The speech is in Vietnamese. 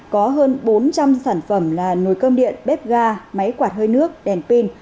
có hơn bốn trăm linh sản phẩm là nồi cơm điện bếp ga máy quạt hơi nước đèn pin